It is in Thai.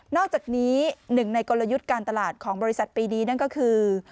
อกจากนี้หนึ่งในกลยุทธ์การตลาดของบริษัทปีนี้นั่นก็คือ